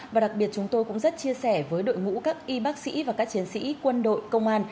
và đặc biệt chúng tôi cũng rất chia sẻ với đội ngũ các y bác sĩ và các chiến sĩ quân đội công an